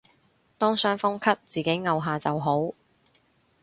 當傷風咳自己漚下就好